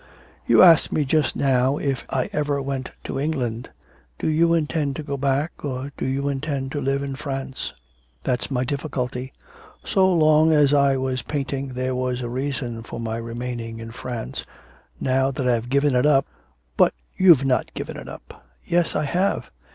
'You asked me just now if I ever went to England. Do you intend to go back, or do you intend to live in France?' 'That's my difficulty. So long as I was painting there was a reason for my remaining in France, now that I've given it up ' 'But you've not given it up.' 'Yes, I have.